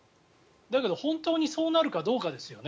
だけど本当にそうなるかどうかですよね。